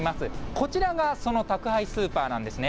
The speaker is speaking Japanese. こちらが、その宅配スーパーなんですね。